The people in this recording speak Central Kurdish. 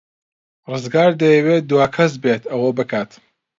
ڕزگار دەیەوێت دوا کەس بێت ئەوە بکات.